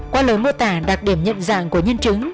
qua lời mô tả đặc điểm nhận dạng của nhân chứng